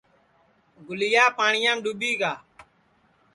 گُلیا پاٹِؔیام ڈُؔوٻی گا